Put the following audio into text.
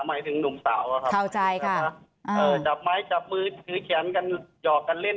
หมายถึงหนุ่มสาวอะครับเข้าใจค่ะจับไม้จับมือถือแขนกันหยอกกันเล่น